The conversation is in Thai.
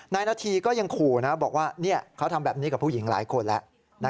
นาธีก็ยังขู่นะบอกว่าเขาทำแบบนี้กับผู้หญิงหลายคนแล้ว